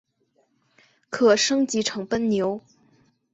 可升级成奔牛。